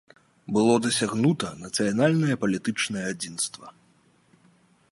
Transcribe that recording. Было дасягнута нацыянальнае палітычнае адзінства.